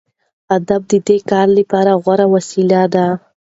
ادب د دې کار لپاره غوره وسیله ده.